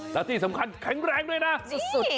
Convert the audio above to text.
แล้วที่สำคัญแข็งแรงด้วยนะสุด